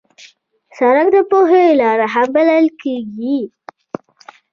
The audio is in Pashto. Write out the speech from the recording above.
سړک د پوهې لار هم بلل کېږي.